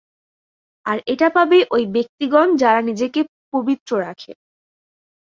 আর এটা পাবে ঐ ব্যক্তিগণ যারা নিজেকে পবিত্র রাখে।